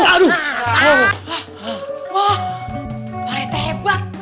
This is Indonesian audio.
wah pak rt hebat